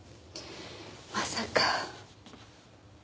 まさか。